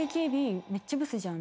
「めっちゃブスじゃん！」